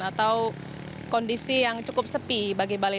atau kondisi yang cukup sepi bagi bali